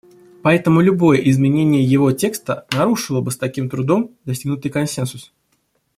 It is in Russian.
Поэтому любое изменение его текста нарушило бы с таким трудом достигнутый консенсус.